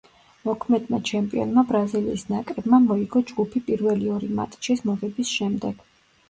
მოქმედმა ჩემპიონმა ბრაზილიის ნაკრებმა მოიგო ჯგუფი პირველი ორი მატჩის მოგების შემდეგ.